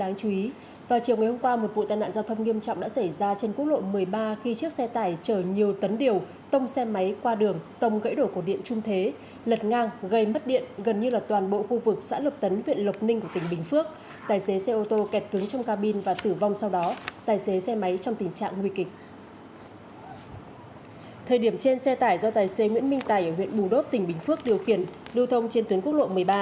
nguyễn minh tài ở huyện bùn đốt tỉnh bình phước điều khiển lưu thông trên tuyến quốc lộ một mươi ba